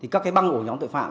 các cái băng ổ nhóm tội phạm